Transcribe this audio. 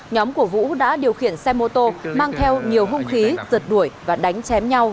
nhóm của vũ đã điều khiển xe mô tô mang theo nhiều hung khí rượt đuổi và đánh chém nhau